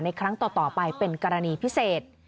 ครั้งต่อไปเป็นกรณีพิเศษ